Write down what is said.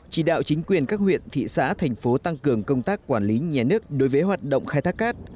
chỉ đạo chính quyền các huyện thị xã thành phố tăng cường công tác quản lý nhà nước đối với hoạt động khai thác cát